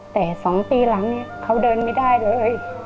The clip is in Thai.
แต่๒ปีหลังเนี่ยเขาเดินไม่ได้เลย